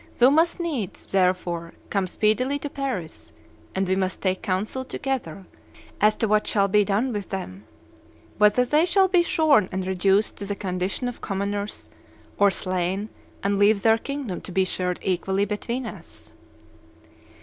Thou must needs, therefore, cone speedily to Paris, and we must take counsel together as to what shall be done with them; whether they shall be shorn and reduced to the condition of commoners, or slain and leave their kingdom to be shared equally between us.